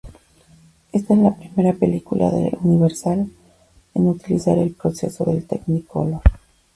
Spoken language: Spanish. Esta es la primera película de "Universal" en utilizar el proceso del Technicolor.